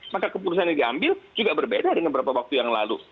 maka keputusan yang diambil juga berbeda dengan beberapa waktu yang lalu